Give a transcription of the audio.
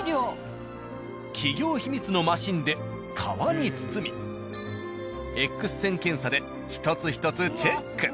企業秘密のマシンで皮に包みＸ線検査で一つ一つチェック。